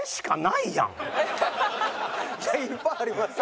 いやいっぱいありますよ。